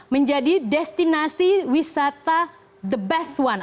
menjadi destinasi wisata the best one